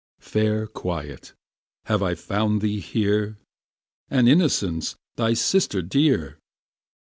Fair Quiet, have I found thee here, And Innocence, thy sister dear!